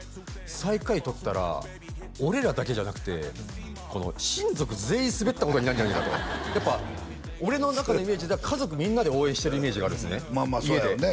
最下位取ったら俺らだけじゃなくてこの親族全員スベったことになるんじゃないかとやっぱ俺の中のイメージでは家族みんなで応援してるイメージがあるんですねまあまあそうやろね